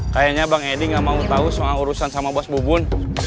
kayaknya bang edi gak mau tau soal urusan sama bos bobon